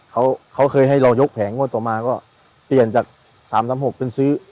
เขาเขาเคยให้เรายกแผงงวดต่อมาก็เปลี่ยนจากสามสามหกเป็นซื้อ